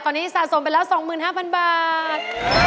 ตอนนี้สะสมเป็นละ๒๕๐๐๐บาท